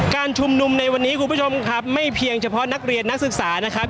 การชุมนุมในวันนี้คุณผู้ชมครับไม่เพียงเฉพาะนักเรียนนักศึกษานะครับ